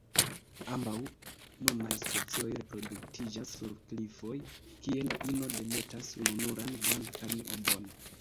Ambaŭ nunaj specioj reproduktiĝas sur klifoj, kie la ino demetas ununuran blankan ovon.